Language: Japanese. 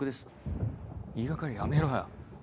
言い掛かりはやめろや。